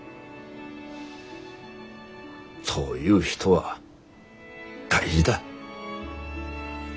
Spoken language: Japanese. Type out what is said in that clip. そういう人は大事だ。